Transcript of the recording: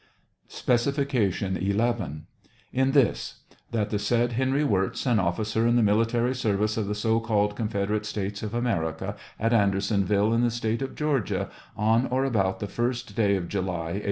Specification 11. — In this : that the said Heury Wirz, an officer in the military service of tbe so called Confederate States of America, at Andersonville, in tbe State of Georgia, on or about tbe 1st day of July, A.